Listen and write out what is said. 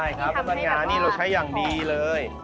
น้ำมะงานี่เราใช้อย่างดีเลย